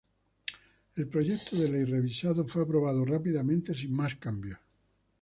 El proyecto de ley revisado fue aprobado rápidamente sin más cambios.